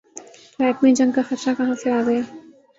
تو ایٹمی جنگ کا خطرہ کہاں سے آ گیا؟